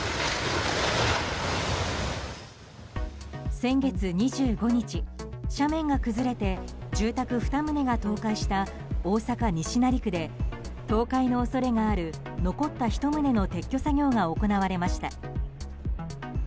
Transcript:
先月２５日、斜面が崩れて住宅２棟が倒壊した大阪・西成区で倒壊の恐れがある残った１棟の撤去作業が行われました。